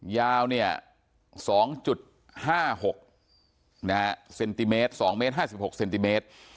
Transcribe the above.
ยาวเนี่ยสองจุดห้าหกนะฮะเซนติเมตรสองเมตรห้าสิบหกเซนติเมตร